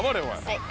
はい。